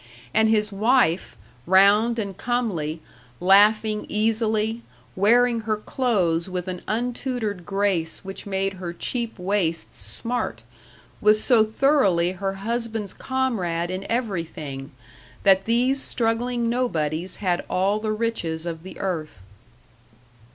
And his wife, round and comely, laughing easily, wearing her clothes with an untutored grace which made her cheap waists smart, was so thoroughly her husband's comrade in everything, that these struggling nobodies had all the riches of the earth.